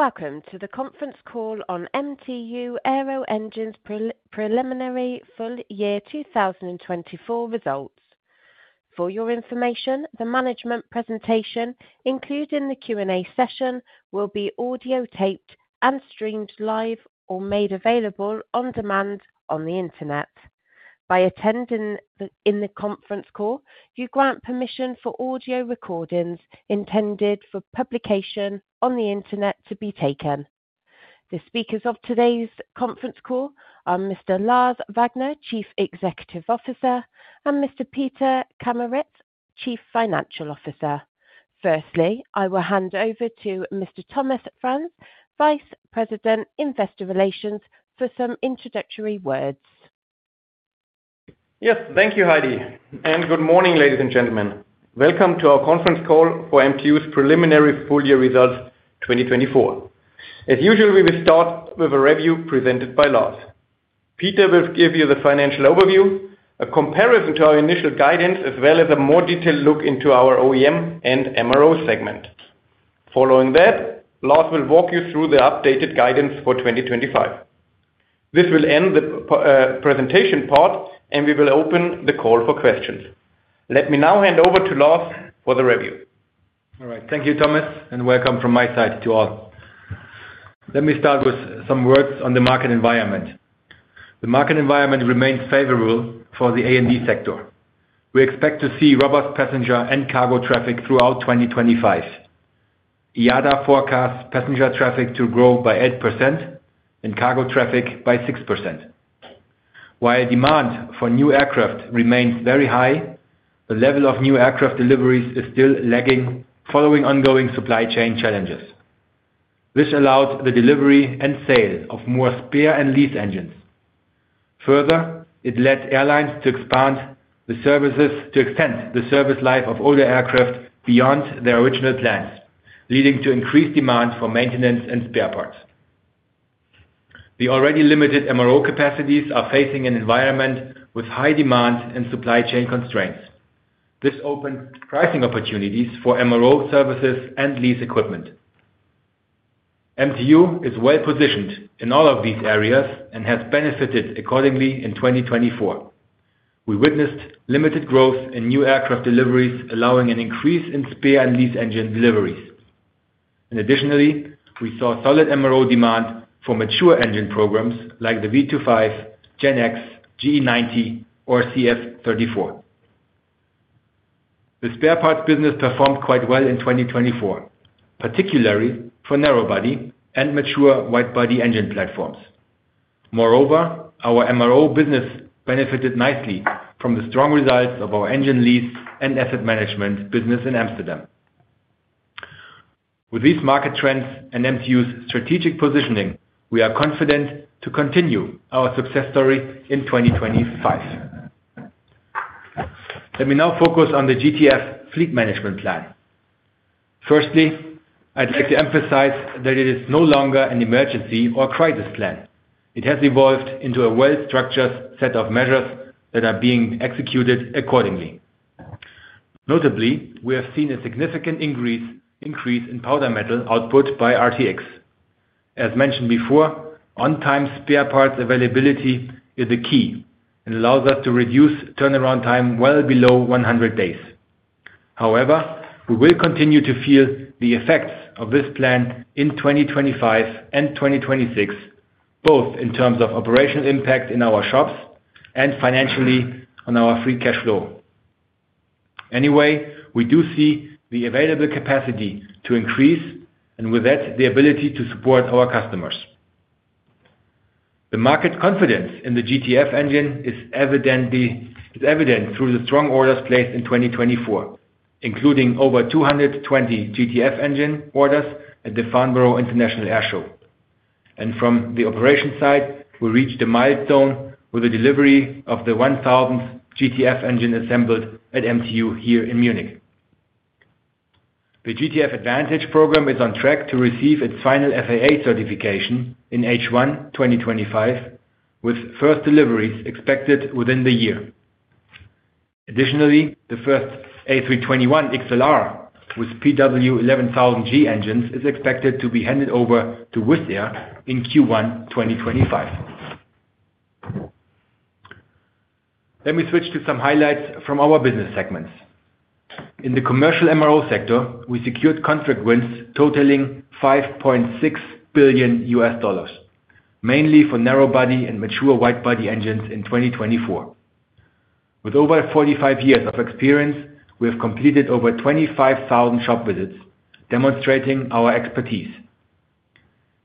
Welcome to the conference call on MTU Aero Engines preliminary full year 2024 results. For your information, the management presentation, including the Q&A session, will be audio-taped and streamed live or made available on demand on the internet. By attending in the conference call, you grant permission for audio recordings intended for publication on the internet to be taken. The speakers of today's conference call are Mr. Lars Wagner, Chief Executive Officer, and Mr. Peter Kameritsch, Chief Financial Officer. Firstly, I will hand over to Mr. Thomas Franz, Vice President, Investor Relations, for some introductory words. Yes, thank you, Heidi, and good morning, ladies and gentlemen. Welcome to our conference call for MTU's preliminary full year results 2024. As usual, we will start with a review presented by Lars. Peter will give you the financial overview, a comparison to our initial guidance, as well as a more detailed look into our OEM and MRO segment. Following that, Lars will walk you through the updated guidance for 2025. This will end the presentation part, and we will open the call for questions. Let me now hand over to Lars for the review. All right, thank you, Thomas, and welcome from my side to all. Let me start with some words on the market environment. The market environment remains favorable for the A&D sector. We expect to see robust passenger and cargo traffic throughout 2025. IATA forecasts passenger traffic to grow by 8% and cargo traffic by 6%. While demand for new aircraft remains very high, the level of new aircraft deliveries is still lagging following ongoing supply chain challenges. This allowed the delivery and sale of more spare and lease engines. Further, it led airlines to expand the services to extend the service life of older aircraft beyond their original plans, leading to increased demand for maintenance and spare parts. The already limited MRO capacities are facing an environment with high demands and supply chain constraints. This opens pricing opportunities for MRO services and lease equipment. MTU is well positioned in all of these areas and has benefited accordingly in 2024. We witnessed limited growth in new aircraft deliveries, allowing an increase in spare and lease engine deliveries. Additionally, we saw solid MRO demand for mature engine programs like the V2500, GEnx, GE90, or CF34. The spare parts business performed quite well in 2024, particularly for narrowbody and mature widebody engine platforms. Moreover, our MRO business benefited nicely from the strong results of our engine lease and asset management business in Amsterdam. With these market trends and MTU's strategic positioning, we are confident to continue our success story in 2025. Let me now focus on the GTF Fleet Management Plan. Firstly, I'd like to emphasize that it is no longer an emergency or crisis plan. It has evolved into a well-structured set of measures that are being executed accordingly. Notably, we have seen a significant increase in powder metal output by RTX. As mentioned before, on-time spare parts availability is the key and allows us to reduce turnaround time well below 100 days. However, we will continue to feel the effects of this plan in 2025 and 2026, both in terms of operational impact in our shops and financially on our free cash flow. Anyway, we do see the available capacity to increase, and with that, the ability to support our customers. The market confidence in the GTF engine is evident through the strong orders placed in 2024, including over 220 GTF engine orders at the Farnborough International Airshow, and from the operation side, we reached a milestone with the delivery of the 1,000th GTF engine assembled at MTU here in Munich. The GTF Advantage program is on track to receive its final FAA certification in H1 2025, with first deliveries expected within the year. Additionally, the first A321XLR with PW1100G engines is expected to be handed over to Wizz Air in Q1 2025. Let me switch to some highlights from our business segments. In the commercial MRO sector, we secured contract wins totaling $5.6 billion, mainly for narrowbody and mature widebody engines in 2024. With over 45 years of experience, we have completed over 25,000 shop visits, demonstrating our expertise.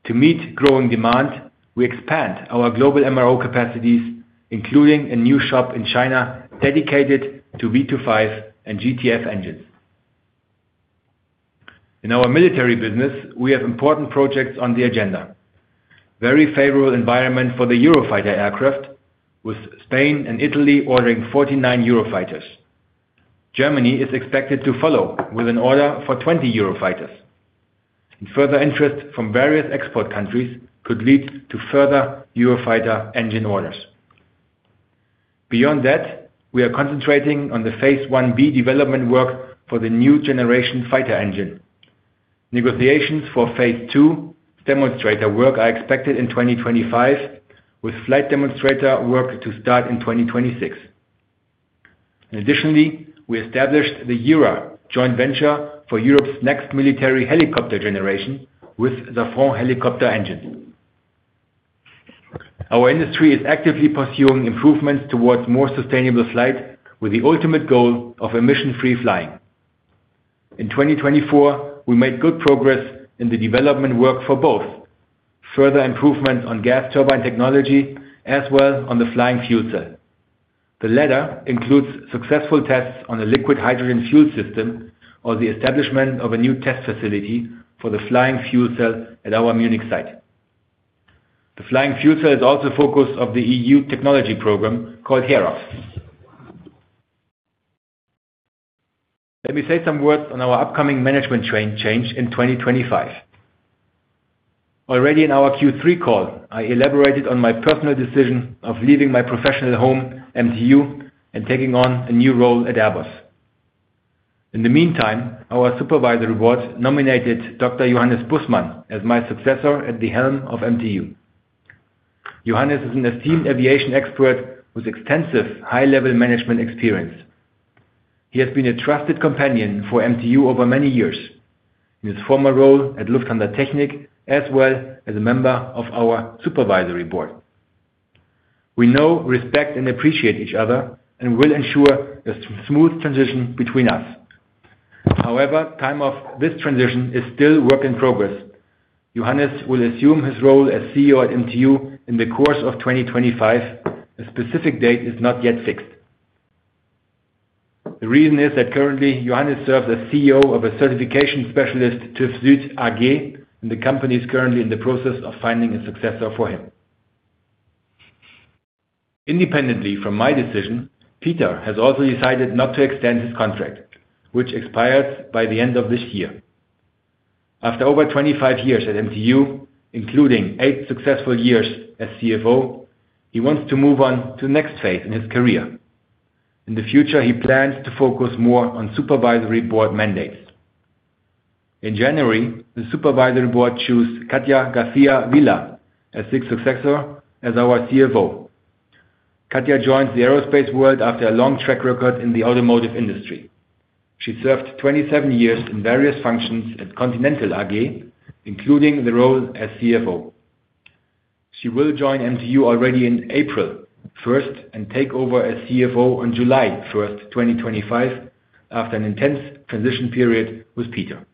To meet growing demand, we expand our global MRO capacities, including a new shop in China dedicated to V2500 and GTF engines. In our military business, we have important projects on the agenda. Very favorable environment for the Eurofighter aircraft, with Spain and Italy ordering 49 Eurofighters. Germany is expected to follow with an order for 20 Eurofighters. Further interest from various export countries could lead to further Eurofighter engine orders. Beyond that, we are concentrating on the phase 1B development work for the New Generation Fighter Engine. Negotiations for phase 2 demonstrator work are expected in 2025, with flight demonstrator work to start in 2026. Additionally, we established the EURA joint venture for Europe's next military helicopter generation with the four-helicopter engine. Our industry is actively pursuing improvements towards more sustainable flight, with the ultimate goal of emission-free flying. In 2024, we made good progress in the development work for both further improvements on gas turbine technology as well as on the Flying Fuel Cell. The latter includes successful tests on a liquid hydrogen fuel system or the establishment of a new test facility for the Flying Fuel Cell at our Munich site. The Flying Fuel Cell is also the focus of the EU technology program called HEROPS. Let me say some words on our upcoming management change in 2025. Already in our Q3 call, I elaborated on my personal decision of leaving my professional home, MTU, and taking on a new role at Airbus. In the meantime, our supervisory board nominated Dr. Johannes Bussmann as my successor at the helm of MTU. Johannes is an esteemed aviation expert with extensive high-level management experience. He has been a trusted companion for MTU over many years in his former role at Lufthansa Technik as well as a member of our supervisory board. We know, respect, and appreciate each other and will ensure a smooth transition between us. However, the time of this transition is still a work in progress. Johannes will assume his role as CEO at MTU in the course of 2025. A specific date is not yet fixed. The reason is that currently, Johannes serves as CEO of a certification specialist, TÜV SÜD AG, and the company is currently in the process of finding a successor for him. Independently from my decision, Peter has also decided not to extend his contract, which expires by the end of this year. After over 25 years at MTU, including eight successful years as CFO, he wants to move on to the next phase in his career. In the future, he plans to focus more on supervisory board mandates. In January, the supervisory board chose Katja Garcia Vila as its successor as our CFO. Katja joins the aerospace world after a long track record in the automotive industry. She served 27 years in various functions at Continental AG, including the role as CFO. She will join MTU already in April 1st and take over as CFO on July 1st, 2025, after an intense transition period with Peter.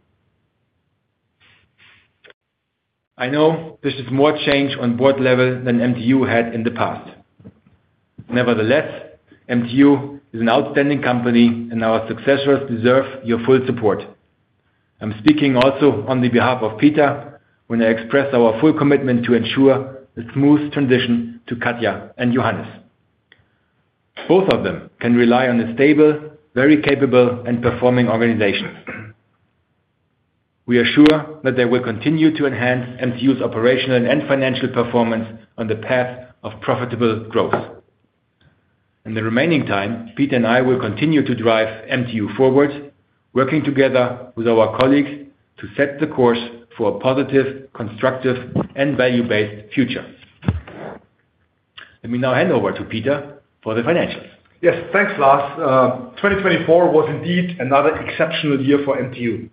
I know this is more change on board level than MTU had in the past. Nevertheless, MTU is an outstanding company, and our successors deserve your full support. I'm speaking also on behalf of Peter when I express our full commitment to ensure a smooth transition to Katja and Johannes. Both of them can rely on a stable, very capable, and performing organization. We are sure that they will continue to enhance MTU's operational and financial performance on the path of profitable growth. In the remaining time, Peter and I will continue to drive MTU forward, working together with our colleagues to set the course for a positive, constructive, and value-based future. Let me now hand over to Peter for the financials. Yes, thanks, Lars. 2024 was indeed another exceptional year for MTU.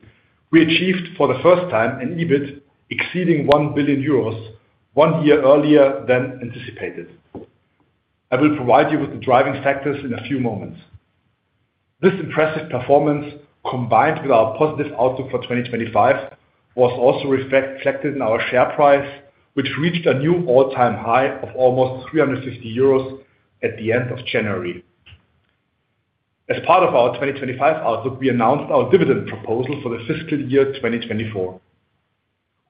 We achieved, for the first time, an EBIT exceeding 1 billion euros one year earlier than anticipated. I will provide you with the driving factors in a few moments. This impressive performance, combined with our positive outlook for 2025, was also reflected in our share price, which reached a new all-time high of almost 350 euros at the end of January. As part of our 2025 outlook, we announced our dividend proposal for the fiscal year 2024.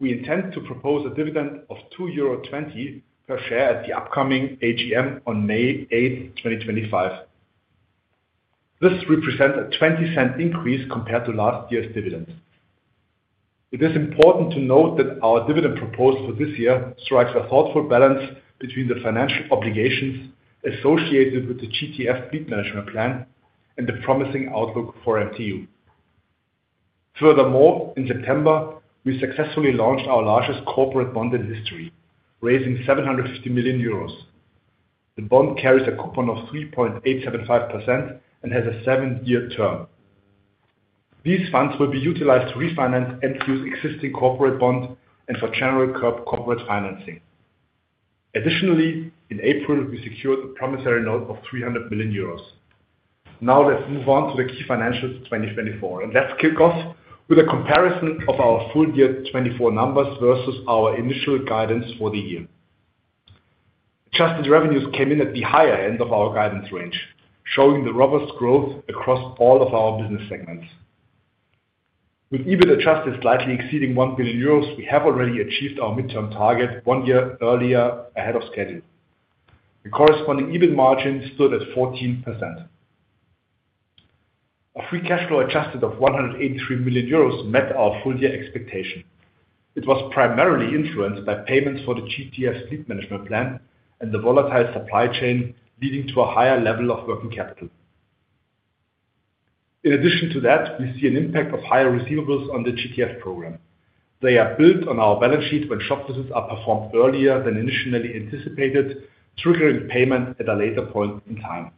We intend to propose a dividend of 2.20 euro per share at the upcoming AGM on May 8th, 2025. This represents a 0.20 increase compared to last year's dividend. It is important to note that our dividend proposal for this year strikes a thoughtful balance between the financial obligations associated with the GTF Fleet Management Plan and the promising outlook for MTU. Furthermore, in September, we successfully launched our largest corporate bond in history, raising 750 million euros. The bond carries a coupon of 3.875% and has a seven-year term. These funds will be utilized to refinance MTU's existing corporate bond and for general corporate financing. Additionally, in April, we secured a promissory note of 300 million euros. Now, let's move on to the key financials for 2024, and let's kick off with a comparison of our full year 2024 numbers versus our initial guidance for the year. Adjusted revenues came in at the higher end of our guidance range, showing the robust growth across all of our business segments. With EBIT adjusted slightly exceeding 1 billion euros, we have already achieved our midterm target one year earlier ahead of schedule. The corresponding EBIT margin stood at 14%. Our free cash flow adjusted of 183 million euros met our full year expectation. It was primarily influenced by payments for the GTF Fleet Management Plan and the volatile supply chain, leading to a higher level of working capital. In addition to that, we see an impact of higher receivables on the GTF program. They are built on our balance sheet when shop visits are performed earlier than initially anticipated, triggering payment at a later point in time.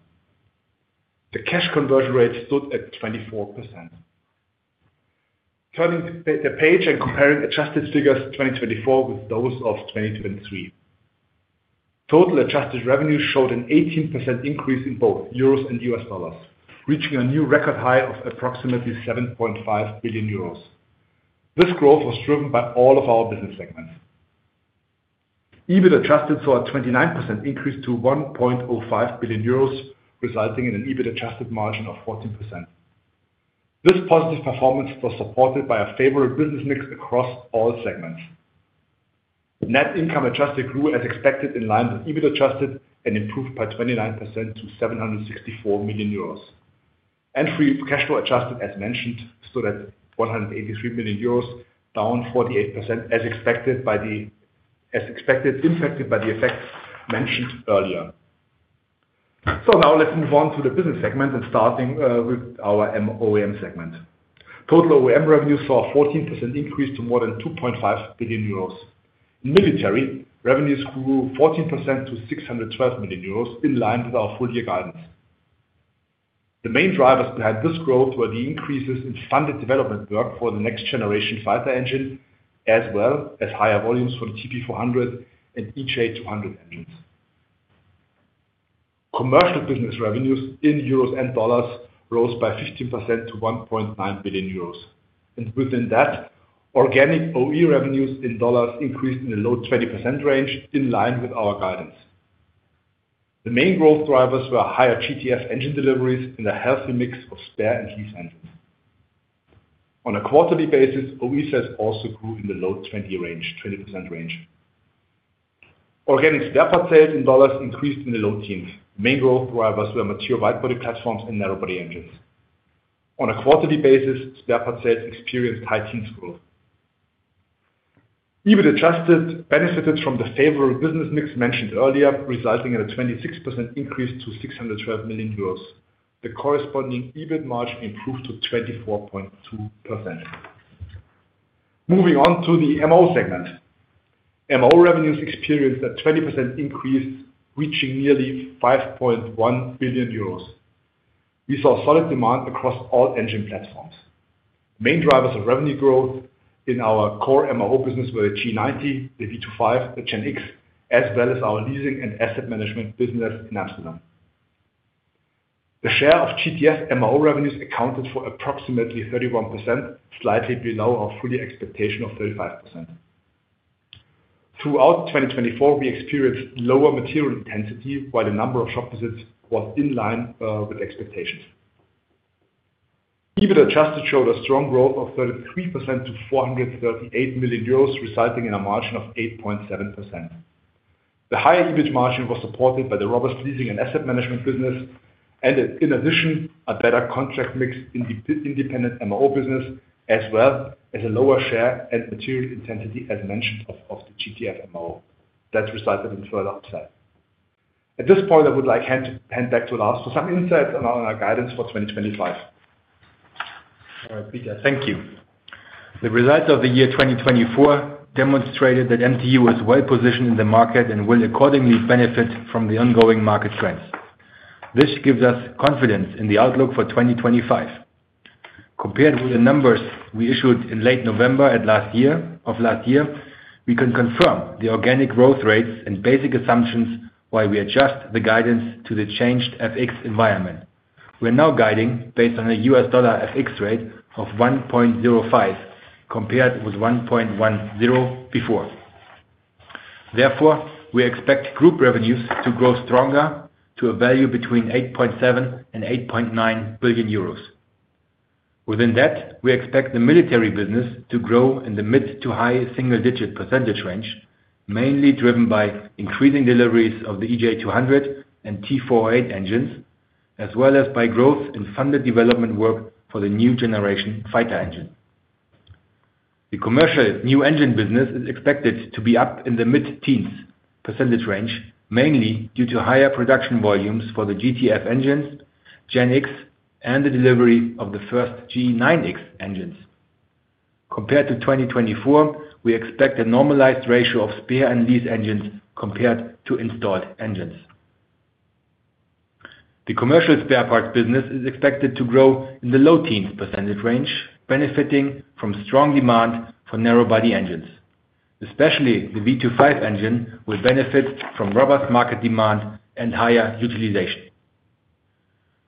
The cash conversion rate stood at 24%. Turning the page and comparing adjusted figures 2024 with those of 2023, total adjusted revenue showed an 18% increase in both euros and U.S. dollars, reaching a new record high of approximately 7.5 billion euros. This growth was driven by all of our business segments. EBIT adjusted saw a 29% increase to 1.05 billion euros, resulting in an EBIT adjusted margin of 14%. This positive performance was supported by a favorable business mix across all segments. Net income adjusted grew as expected in line with EBIT adjusted and improved by 29% to 764 million euros. And free cash flow adjusted, as mentioned, stood at 183 million euros, down 48% as expected, impacted by the effects mentioned earlier. So now, let's move on to the business segment and starting with our OEM segment. Total OEM revenues saw a 14% increase to more than 2.5 billion euros. In military, revenues grew 14% to 612 million euros in line with our full year guidance. The main drivers behind this growth were the increases in funded development work for the Next Generation Fighter Engine, as well as higher volumes for the TP400 and EJ200 engines. Commercial business revenues in euros and dollars rose by 15% to 1.9 billion euros. And within that, organic OE revenues in dollars increased in the low 20% range in line with our guidance. The main growth drivers were higher GTF engine deliveries and a healthy mix of spare and lease engines. On a quarterly basis, OE sales also grew in the low 20% range. Organic spare part sales in dollars increased in the low teens. The main growth drivers were mature widebody platforms and narrowbody engines. On a quarterly basis, spare part sales experienced high teens growth. EBIT adjusted benefited from the favorable business mix mentioned earlier, resulting in a 26% increase to 612 million euros. The corresponding EBIT margin improved to 24.2%. Moving on to the MRO segment, MRO revenues experienced a 20% increase, reaching nearly 5.1 billion euros. We saw solid demand across all engine platforms. Main drivers of revenue growth in our core MRO business were the GE90, the V2500, the GEnx, as well as our leasing and asset management business in Amsterdam. The share of GTF MRO revenues accounted for approximately 31%, slightly below our full year expectation of 35%. Throughout 2024, we experienced lower material intensity, while the number of shop visits was in line with expectations. EBIT adjusted showed a strong growth of 33% to 438 million euros, resulting in a margin of 8.7%. The higher EBIT margin was supported by the robust leasing and asset management business and, in addition, a better contract mix in the independent MRO business, as well as a lower share and material intensity, as mentioned, of the GTF MRO that resulted in further upside. At this point, I would like to hand back to Lars for some insights on our guidance for 2025. All right, Peter, thank you. The results of the year 2024 demonstrated that MTU was well positioned in the market and will accordingly benefit from the ongoing market trends. This gives us confidence in the outlook for 2025. Compared with the numbers we issued in late November of last year, we can confirm the organic growth rates and basic assumptions while we adjust the guidance to the changed FX environment. We are now guiding based on a U.S. dollar FX rate of 1.05 compared with 1.10 before. Therefore, we expect group revenues to grow stronger to a value between 8.7 billion and 8.9 billion euros. Within that, we expect the military business to grow in the mid- to high single-digit % range, mainly driven by increasing deliveries of the EJ200 and T408 engines, as well as by growth in funded development work for the New Generation Fighter Engine. The commercial new engine business is expected to be up in the mid-teens % range, mainly due to higher production volumes for the GTF engines, GEnx, and the delivery of the first GE9X engines. Compared to 2024, we expect a normalized ratio of spare and lease engines compared to installed engines. The commercial spare parts business is expected to grow in the low-teens % range, benefiting from strong demand for narrowbody engines. Especially, the V2500 engine will benefit from robust market demand and higher utilization.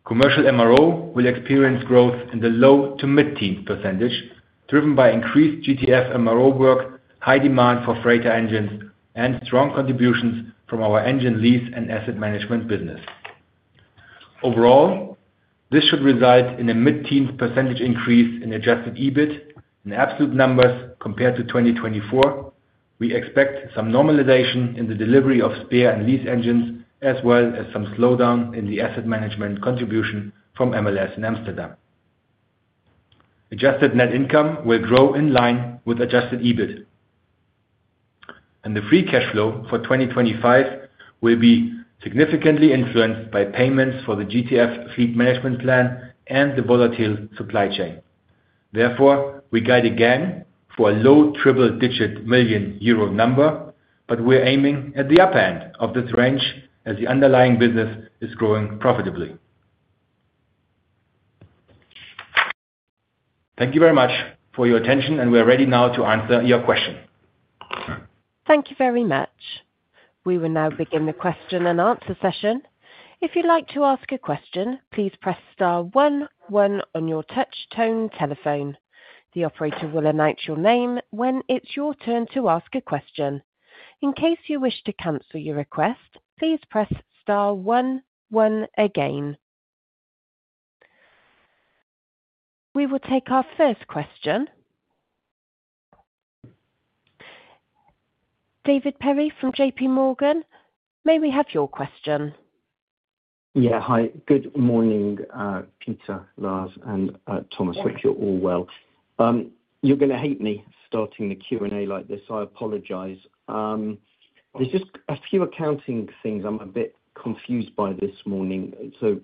Commercial MRO will experience growth in the low- to mid-teens %, driven by increased GTF MRO work, high demand for freighter engines, and strong contributions from our engine lease and asset management business. Overall, this should result in a mid-teens % increase in adjusted EBIT in absolute numbers compared to 2024. We expect some normalization in the delivery of spare and lease engines, as well as some slowdown in the asset management contribution from MLS in Amsterdam. Adjusted net income will grow in line with adjusted EBIT, and the free cash flow for 2025 will be significantly influenced by payments for the GTF Fleet Management Plan and the volatile supply chain. Therefore, we guide again for a low triple-digit million-euro number, but we're aiming at the upper end of this range as the underlying business is growing profitably. Thank you very much for your attention, and we're ready now to answer your question. Thank you very much. We will now begin the question-and-answer session. If you'd like to ask a question, please press star one one on your touch tone telephone. The operator will announce your name when it's your turn to ask a question. In case you wish to cancel your request, please press star one one again. We will take our first question. David Perry from JPMorgan, may we have your question? Yeah, hi. Good morning, Peter, Lars, and Thomas. Hope you're all well. You're going to hate me starting the Q&A like this. I apologize. There's just a few accounting things I'm a bit confused by this morning. So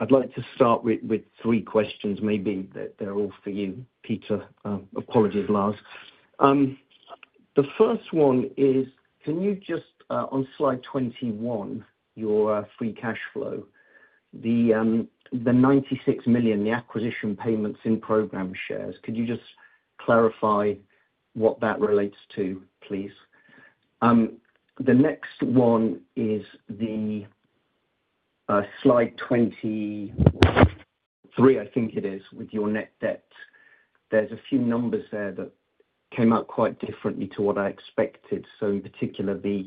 I'd like to start with three questions. Maybe they're all for you, Peter. Apologies, Lars. The first one is, can you just, on slide 21, your free cash flow, the 96 million, the acquisition payments in program shares, could you just clarify what that relates to, please? The next one is the slide 23, I think it is, with your net debt. There's a few numbers there that came out quite differently to what I expected. So in particular, the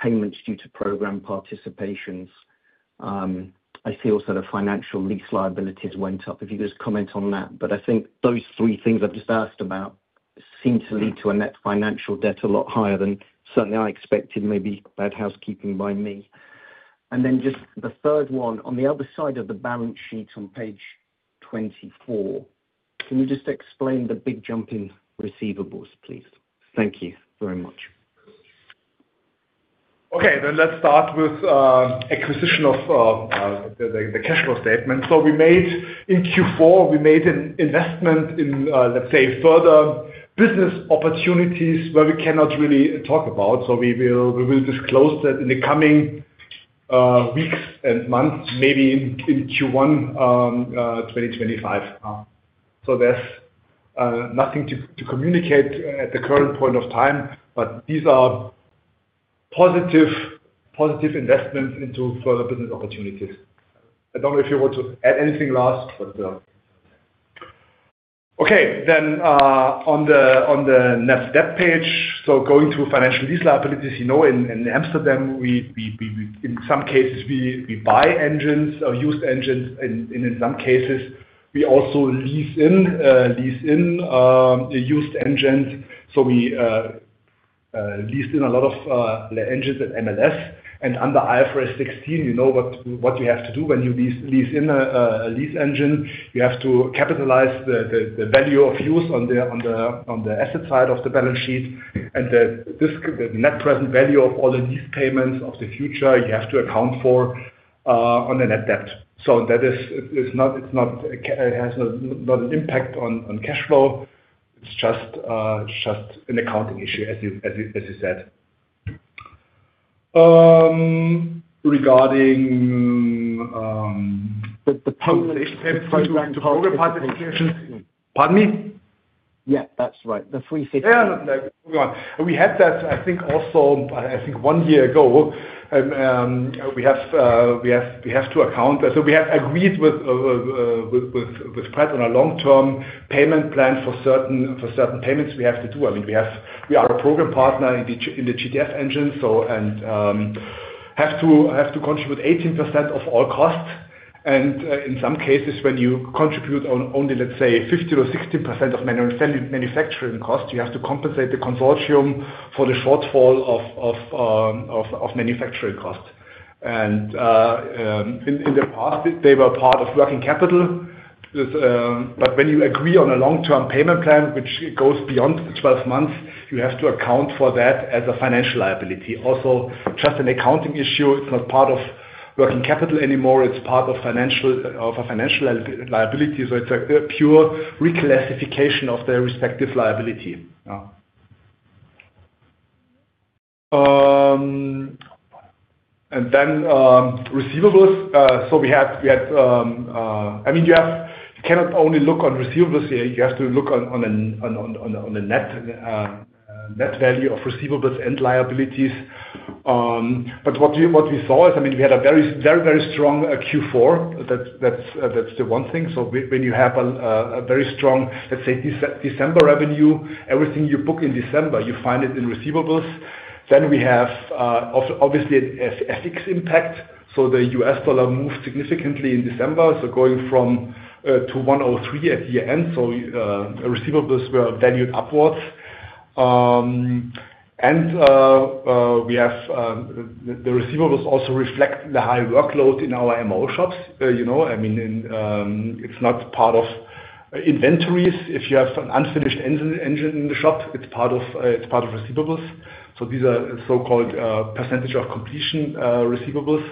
payments due to program participations. I see also the financial lease liabilities went up. If you could just comment on that. But I think those three things I've just asked about seem to lead to a net financial debt a lot higher than certainly I expected, maybe bad housekeeping by me. And then just the third one, on the other side of the balance sheet on page 24, can you just explain the big jump in receivables, please? Thank you very much. Okay, then let's start with the question on the cash flow statement. In Q4, we made an investment in, let's say, further business opportunities where we cannot really talk about. We will disclose that in the coming weeks and months, maybe in Q1 2025. There's nothing to communicate at the current point in time, but these are positive investments into further business opportunities. I don't know if you want to add anything, Lars, but. Okay, then on the net debt page, going through financial lease liabilities, you know, in Amsterdam, in some cases, we buy engines, used engines, and in some cases, we also lease in used engines. So we leased in a lot of engines at MLS. And under IFRS 16, you know what you have to do when you lease in a leased engine. You have to capitalize the value of use on the asset side of the balance sheet, and the net present value of all the lease payments of the future, you have to account for on the net debt. So it's not an impact on cash flow. It's just an accounting issue, as you said. Regarding the. The compensation payments going back to program participation. Pardon me? Yeah, that's right. The 350. Yeah, we had that, I think, also, I think, one year ago. We have to account. So we have agreed with Pratt on a long-term payment plan for certain payments we have to do. I mean, we are a program partner in the GTF engine, so and have to contribute 18% of all costs. And in some cases, when you contribute only, let's say, 15% or 16% of manufacturing cost, you have to compensate the consortium for the shortfall of manufacturing costs. And in the past, they were part of working capital. But when you agree on a long-term payment plan, which goes beyond 12 months, you have to account for that as a financial liability. Also, just an accounting issue. It's not part of working capital anymore. It's part of a financial liability. So it's a pure reclassification of their respective liability. And then receivables. So we had, I mean, you cannot only look on receivables here. You have to look on the net value of receivables and liabilities. But what we saw is, I mean, we had a very, very strong Q4. That's the one thing. So when you have a very strong, let's say, December revenue, everything you book in December, you find it in receivables. Then we have, obviously, an FX impact. So the U.S. dollar moved significantly in December. So going from to 103 at year end, so receivables were valued upwards. And we have the receivables also reflect the high workload in our MRO shops. I mean, it's not part of inventories. If you have an unfinished engine in the shop, it's part of receivables. So these are so-called percentage of completion receivables.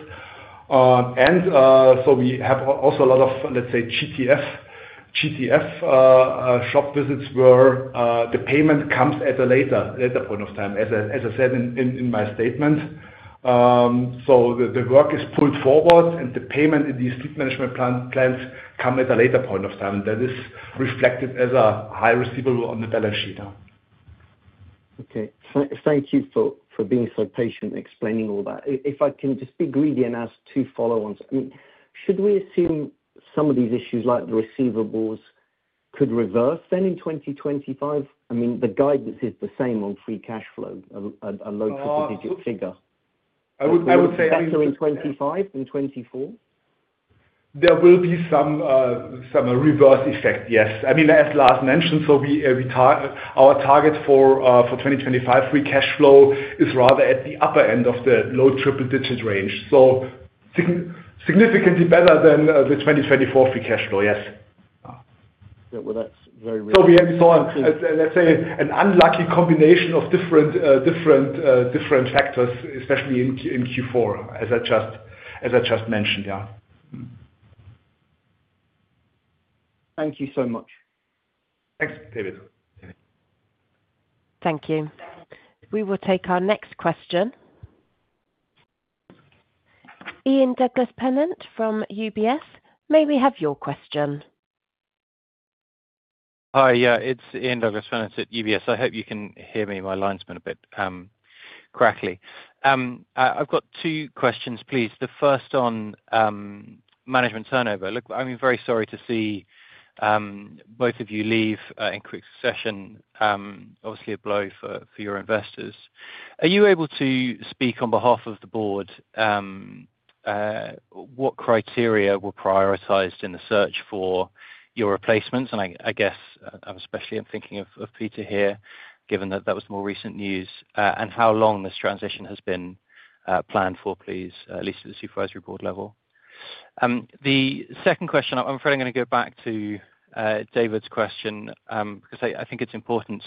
We have also a lot of, let's say, GTF shop visits where the payment comes at a later point of time, as I said in my statement. The work is pulled forward, and the payment in these fleet management plans come at a later point of time. That is reflected as a high receivable on the balance sheet. Okay. Thank you for being so patient explaining all that. If I can just be greedy and ask two follow-ons. I mean, should we assume some of these issues like the receivables could reverse then in 2025? I mean, the guidance is the same on free cash flow, a low triple-digit figure. Absolutely. I would say. Better in 2025 than 2024? There will be some reverse effect, yes. I mean, as Lars mentioned, so our target for 2025 free cash flow is rather at the upper end of the low triple-digit range. So significantly better than the 2024 free cash flow, yes. That's very reasonable. So we have, let's say, an unlucky combination of different factors, especially in Q4, as I just mentioned, yeah. Thank you so much. Thanks, David. Thank you. We will take our next question. Ian Douglas-Pennant from UBS, may we have your question? Hi, yeah, it's Ian Douglas-Pennant at UBS. I hope you can hear me. My line's been a bit crackly. I've got two questions, please. The first on management turnover. Look, I'm very sorry to see both of you leave in quick succession. Obviously, a blow for your investors. Are you able to speak on behalf of the board? What criteria were prioritized in the search for your replacements? And I guess I'm especially thinking of Peter here, given that that was more recent news, and how long this transition has been planned for, please, at least at the supervisory board level. The second question, I'm afraid I'm going to go back to David's question because I think it's important.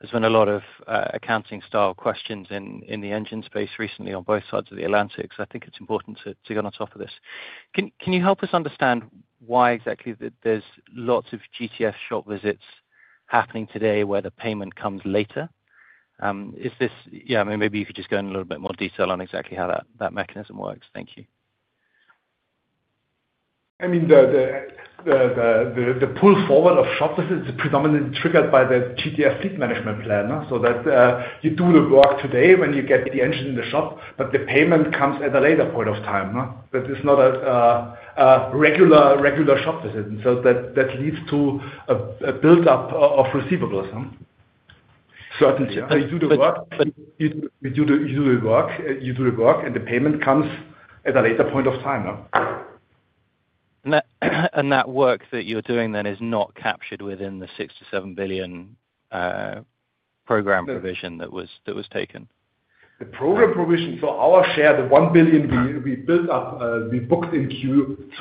There's been a lot of accounting-style questions in the engine space recently on both sides of the Atlantic. So I think it's important to get on top of this. Can you help us understand why exactly there's lots of GTF shop visits happening today where the payment comes later? Yeah, maybe you could just go into a little bit more detail on exactly how that mechanism works. Thank you. I mean, the pull forward of shop visits is predominantly triggered by the GTF Fleet Management Plan. So you do the work today when you get the engine in the shop, but the payment comes at a later point of time. That is not a regular shop visit, and so that leads to a build-up of receivables. Certainly, you do the work. You do the work. You do the work, and the payment comes at a later point of time. That work that you're doing then is not captured within the 6 billion-7 billion program provision that was taken? The program provision, so our share, the 1 billion we built up, we booked in Q3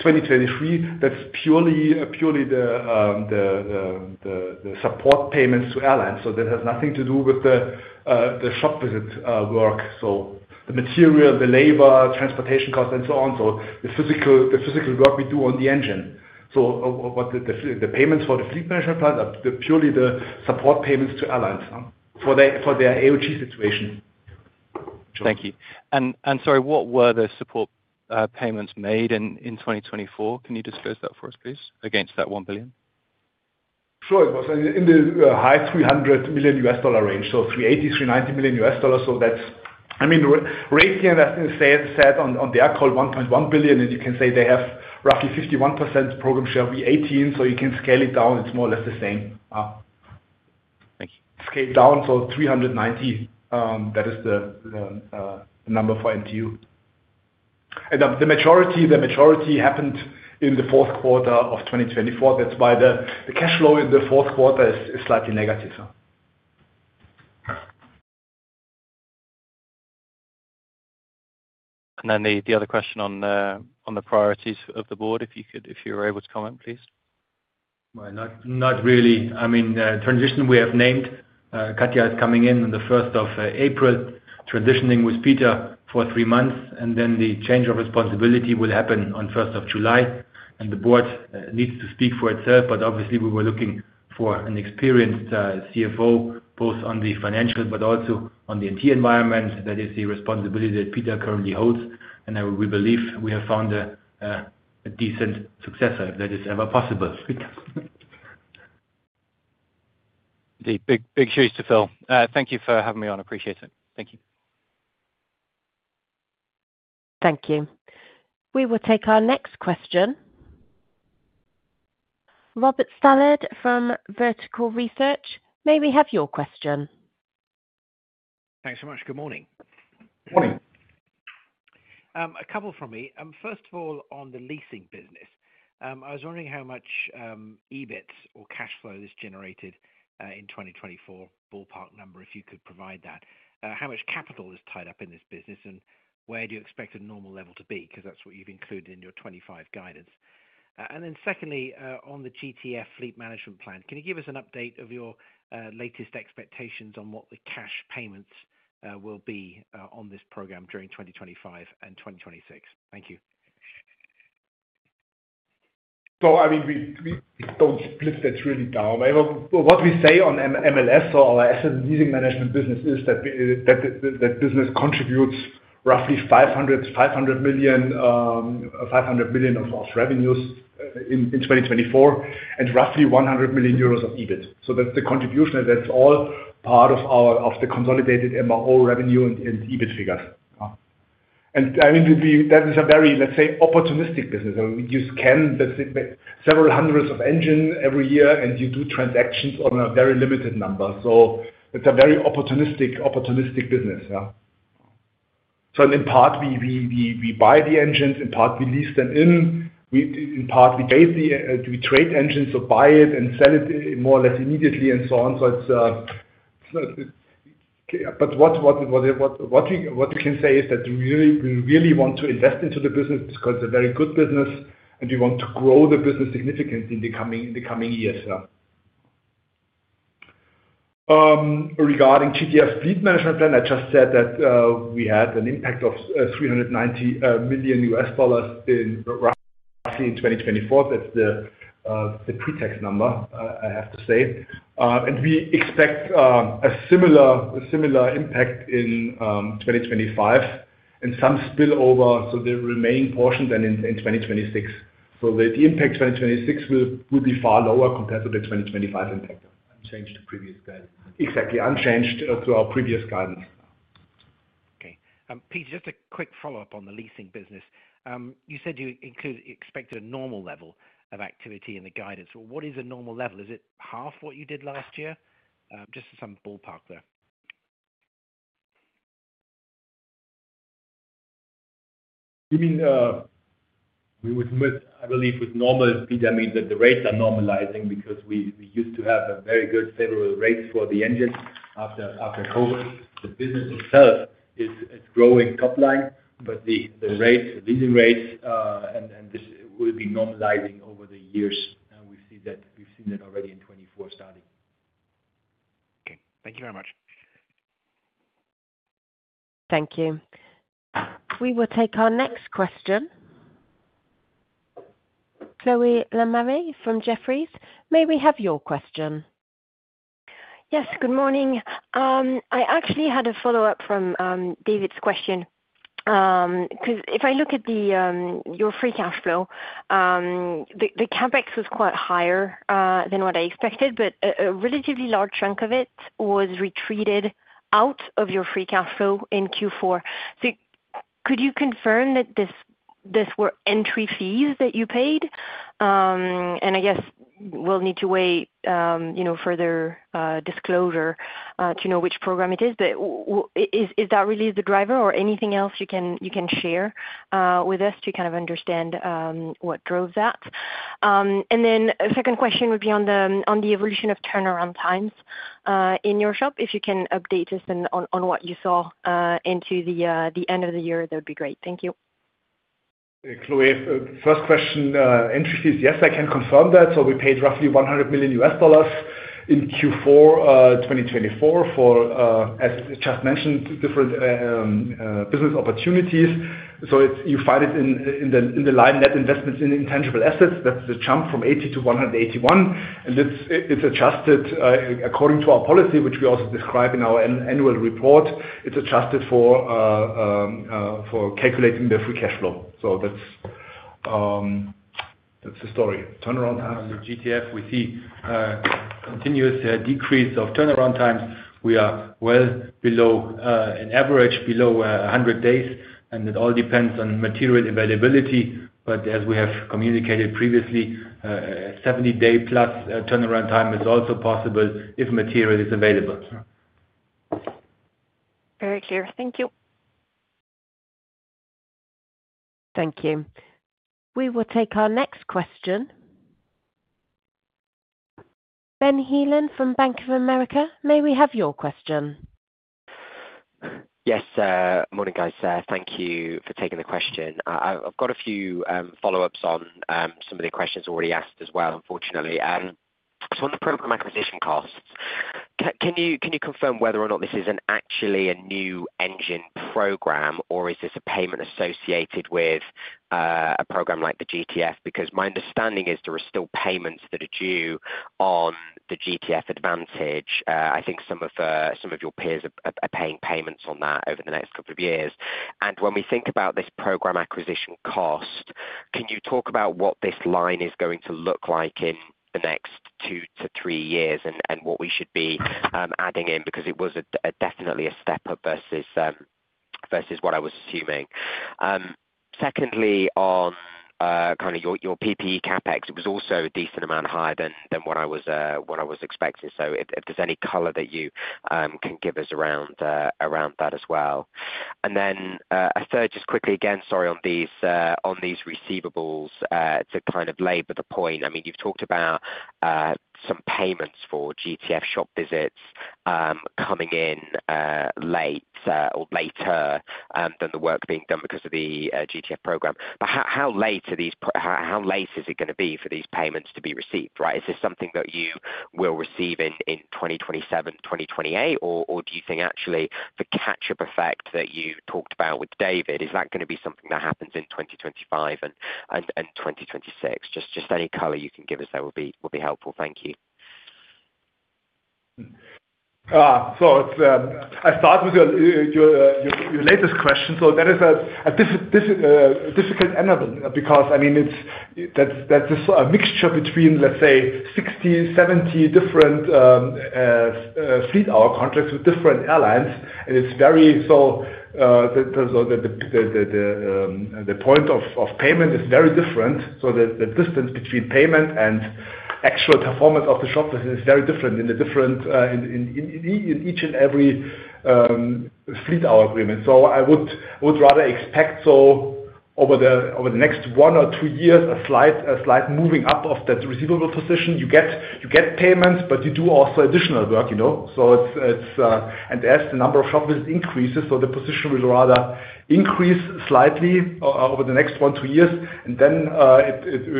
2023, that's purely the support payments to airlines. So that has nothing to do with the shop visit work. So the material, the labor, transportation costs, and so on. So the physical work we do on the engine. So the payments for the fleet management plan, purely the support payments to airlines for their AOG situation. Thank you. And sorry, what were the support payments made in 2024? Can you disclose that for us, please, against that 1 billion? Sure. It was in the high $300 million range. So $380 million-$390 million. So that's, I mean, Raytheon said on their call, $1.1 billion, and you can say they have roughly 51% program share V2500. So you can scale it down. It's more or less the same. Thank you. Scaled down to $390 million. That is the number for MTU. And the majority happened in the fourth quarter of 2024. That's why the cash flow in the fourth quarter is slightly negative. And then the other question on the priorities of the board, if you were able to comment, please? Well, not really. I mean, the transition we have named, Katja is coming in on the 1st of April, transitioning with Peter for three months. And then the change of responsibility will happen on 1st of July. And the board needs to speak for itself. But obviously, we were looking for an experienced CFO, both on the financial but also on the MTU environment. That is the responsibility that Peter currently holds. And we believe we have found a decent successor, if that is ever possible. Big shoes to fill. Thank you for having me on. Appreciate it. Thank you. Thank you. We will take our next question. Robert Stallard from Vertical Research. May we have your question? Thanks so much. Good morning. Good morning. A couple from me. First of all, on the leasing business, I was wondering how much EBIT or cash flow this generated in 2024, ballpark number, if you could provide that. How much capital is tied up in this business, and where do you expect a normal level to be? Because that's what you've included in your 2025 guidance. And then secondly, on the GTF Fleet Management Plan, can you give us an update of your latest expectations on what the cash payments will be on this program during 2025 and 2026? Thank you. I mean, we don't split that really down. What we say on MLS, so our asset and leasing management business, is that the business contributes roughly 500 million of revenues in 2024 and roughly 100 million euros of EBIT. So that's the contribution. That's all part of the consolidated MRO revenue and EBIT figures. And I mean, that is a very, let's say, opportunistic business. You scan several hundreds of engines every year, and you do transactions on a very limited number. So it's a very opportunistic business. So in part, we buy the engines. In part, we lease them in. In part, we trade the engines, so buy it and sell it more or less immediately and so on. But what we can say is that we really want to invest into the business because it's a very good business, and we want to grow the business significantly in the coming years. Regarding GTF Fleet Management Plan, I just said that we had an impact of $390 million roughly in 2024. That's the pre-tax number, I have to say. And we expect a similar impact in 2025 and some spillover, so the remaining portion then in 2026. So the impact 2026 will be far lower compared to the 2025 impact. Unchanged to previous guidance. Exactly. Unchanged to our previous guidance. Okay. Peter, just a quick follow-up on the leasing business. You said you expected a normal level of activity in the guidance. What is a normal level? Is it half what you did last year? Just some ballpark there. You mean with, I believe, with normal speed. I mean that the rates are normalizing because we used to have very good favorable rates for the engines after COVID. The business itself is growing top line, but the rates, leasing rates, and this will be normalizing over the years. We've seen that already in 2024 starting. Okay. Thank you very much. Thank you. We will take our next question. Chloé Lemarié from Jefferies. May we have your question? Yes. Good morning. I actually had a follow-up from David's question. Because if I look at your free cash flow, the CapEx was quite higher than what I expected, but a relatively large chunk of it was retreated out of your free cash flow in Q4. So could you confirm that this were entry fees that you paid? And I guess we'll need to wait for their disclosure to know which program it is. But is that really the driver, or anything else you can share with us to kind of understand what drove that? And then a second question would be on the evolution of turnaround times in your shop. If you can update us on what you saw into the end of the year, that would be great. Thank you. Chloe, first question: entry fees. Yes, I can confirm that. So we paid roughly $100 million in Q4 2024 for, as just mentioned, different business opportunities. So you find it in the line net investments in intangible assets. That's a jump from 80 to 181, and it's adjusted according to our policy, which we also describe in our annual report. It's adjusted for calculating the free cash flow. So that's the story. Turnaround times. On the GTF, we see continuous decrease of turnaround times. We are well below, on average, below 100 days, and it all depends on material availability, but as we have communicated previously, 70 day+ turnaround time is also possible if material is available. Very clear. Thank you. Thank you. We will take our next question. Ben Heelan from Bank of America, may we have your question? Yes. Morning, guys. Thank you for taking the question. I've got a few follow-ups on some of the questions already asked as well, unfortunately. So on the program acquisition costs, can you confirm whether or not this is actually a new engine program, or is this a payment associated with a program like the GTF? Because my understanding is there are still payments that are due on the GTF Advantage. I think some of your peers are paying payments on that over the next couple of years. And when we think about this program acquisition cost, can you talk about what this line is going to look like in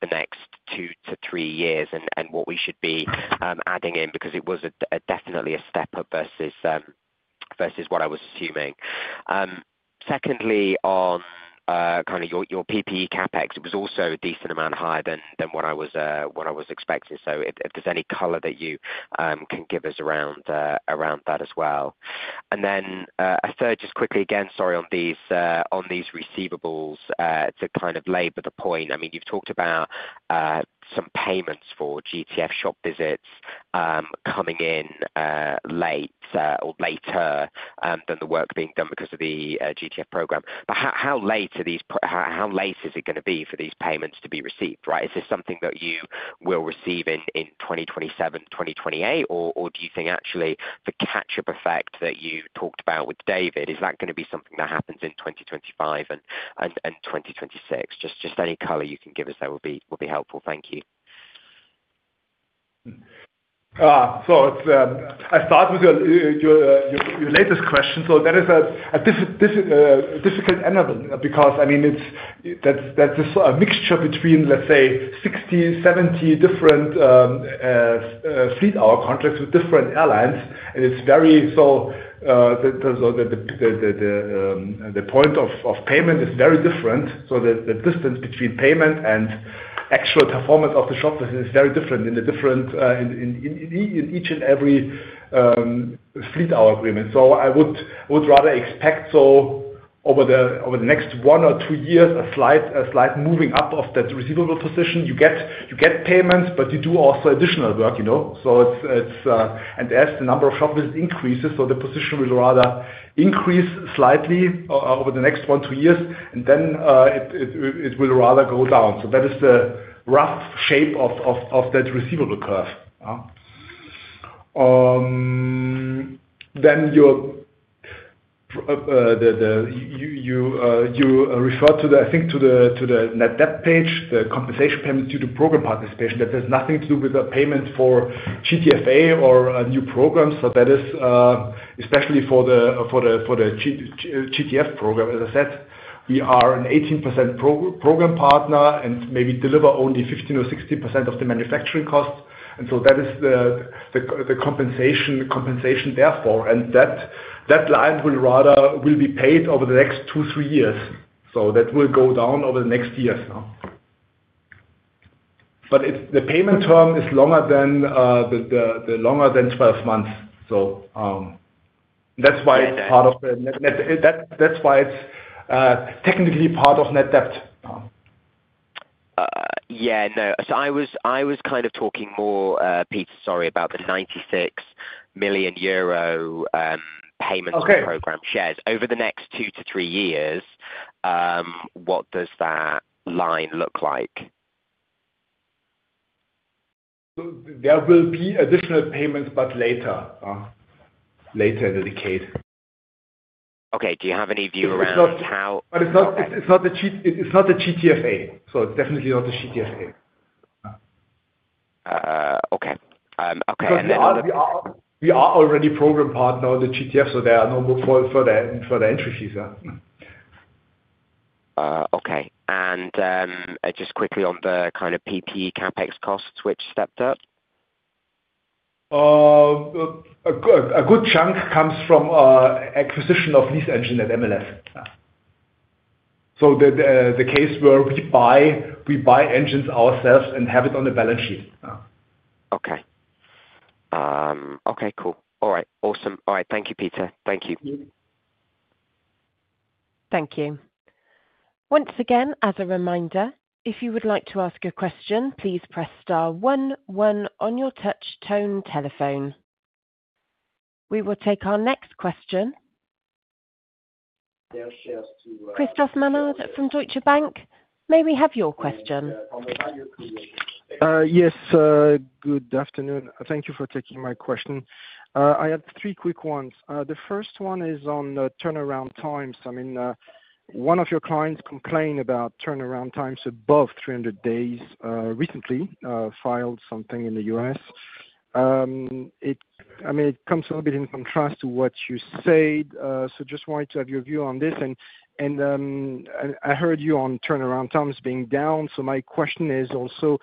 the next two to three years and what we should be adding in? Because it was definitely a step up versus what I was assuming. Secondly, on kind of your PPE CapEx, it was also a decent amount higher than what I was expecting. So if there's any color that you can give us around that as well. And then a third, just quickly again, sorry, on these receivables to kind of lay the point. I mean, you've talked about some payments for GTF shop visits coming in late or later than the work being done because of the GTF program. But how late is it going to be for these payments to be received, right? Is this something that you will receive in 2027, 2028, or do you think actually the catch-up effect that you talked about with David, is that going to be something that happens in 2025 and 2026? Just any color you can give us that will be helpful. Thank you. So I start with your latest question. So that is a difficult animal because, I mean, that's a mixture between, let's say, 60, 70 different fleet hour contracts with different airlines. And it's very so the point of payment is very different. So the distance between payment and actual performance of the shop is very different in each and every fleet hour agreement. So I would rather expect over the next one or two years a slight moving up of that receivable position. You get payments, but you do also additional work. And as the number of shop visits increases, so the position will rather increase slightly over the next one to two years, and then it will rather go down. So that is the rough shape of that receivable curve. Then you referred to, I think, to the net debt page, the compensation payments due to program participation. That has nothing to do with the payment for GTF Advantage or new programs. So that is especially for the GTF program. As I said, we are an 18% program partner and maybe deliver only 15% or 60% of the manufacturing costs. And so that is the compensation therefore. And that line will be paid over the next two, three years. So that will go down over the next years. But the payment term is longer than 12 months. So that's why it's technically part of net debt. Yeah. No. So I was kind of talking more, Peter, sorry, about the 96 million euro payments program shares. Over the next two to three years, what does that line look like? There will be additional payments, but later in the decade. Okay. Do you have any view around how? But it's not the GTFA. So it's definitely not the GTFA. Okay. And then other. We are already program partner on the GTF, so there are no more for the entry fees. Okay. And just quickly on the kind of PPE CapEx costs which stepped up? A good chunk comes from acquisition of leased engine at MLS, so the case where we buy engines ourselves and have it on the balance sheet. Okay. Okay. Cool. All right. Awesome. All right. Thank you, Peter. Thank you. Thank you. Once again, as a reminder, if you would like to ask a question, please press star one, one on your touch tone telephone. We will take our next question. Christophe Menard from Deutsche Bank. May we have your question? Yes. Good afternoon. Thank you for taking my question. I have three quick ones. The first one is on turnaround times. I mean, one of your clients complained about turnaround times above 300 days recently, filed something in the U.S. I mean, it comes a little bit in contrast to what you said. So just wanted to have your view on this. And I heard you on turnaround times being down. So my question is also,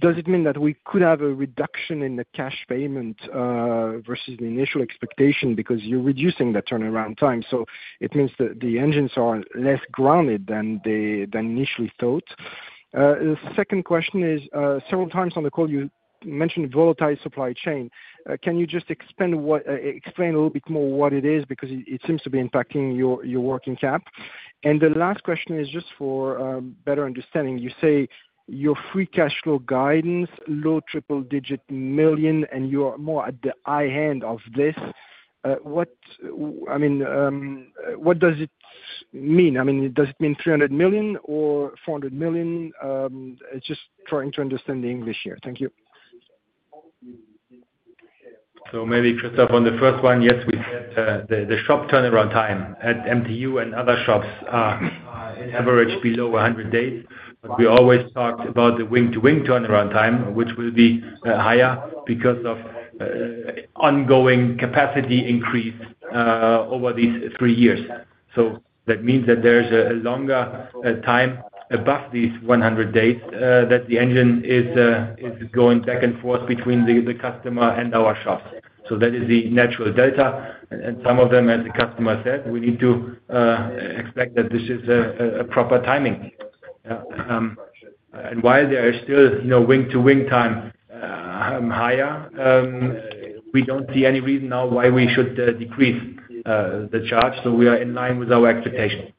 does it mean that we could have a reduction in the cash payment versus the initial expectation because you're reducing the turnaround time? So it means that the engines are less grounded than initially thought. The second question is, several times on the call, you mentioned volatile supply chain. Can you just explain a little bit more what it is because it seems to be impacting your working cap? The last question is just for better understanding. You say your free cash flow guidance, low triple-digit million, and you are more at the high end of this. I mean, what does it mean? I mean, does it mean 300 million or 400 million? Just trying to understand the English here. Thank you. So maybe, Christophe, on the first one, yes, the shop turnaround time at MTU and other shops is averaged below 100 days. But we always talked about the wing-to-wing turnaround time, which will be higher because of ongoing capacity increase over these three years. So that means that there's a longer time above these 100 days that the engine is going back and forth between the customer and our shops. So that is the natural delta. And some of them, as the customer said, we need to expect that this is a proper timing. And while there is still wing-to-wing time higher, we don't see any reason now why we should decrease the charge. So we are in line with our expectations.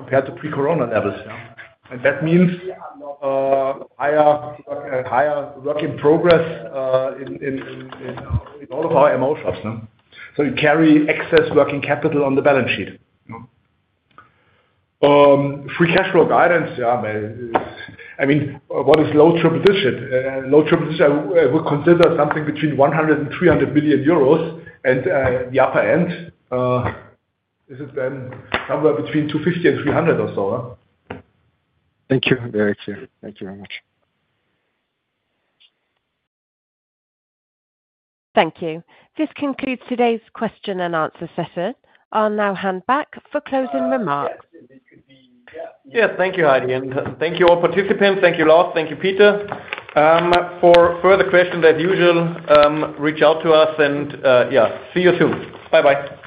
compared to pre-Corona levels. And that means higher work in progress in all of our MRO shops. So you carry excess working capital on the balance sheet. Free cash flow guidance, yeah. I mean, what is low triple-digit? Low triple-digit would consider something between 100 million euros and 300 million euros and the upper end. Is it then somewhere between 250 million and 300 million or so? Thank you. Very clear. Thank you very much. Thank you. This concludes today's question and answer session. I'll now hand back for closing remarks. Yeah. Thank you, Heidi. And thank you, all participants. Thank you, Lars. Thank you, Peter. For further questions, as usual, reach out to us. And yeah, see you soon. Bye-bye.